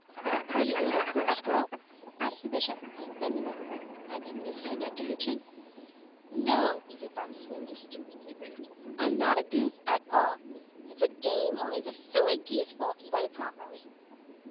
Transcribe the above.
"Are you a little goose girl?" asked the bishop, bending over her, and putting his hand under her chin. "No," said Bumps, feeling distinctly aggrieved; "I'm not a gooth at all. It's a game, only the thtupid geeth won't play properly!"